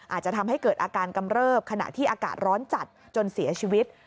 อาจจะทำให้เกิดอาการกำเริบขณะที่อากาศร้อนจัดจนเสียชีวิต